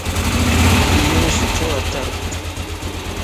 ايو سھڻو عطرَ